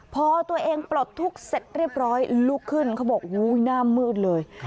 พอตัวเองปลดทุกข์เสร็จเรียบร้อยลุกขึ้นเขาบอกหน้ามืดเลย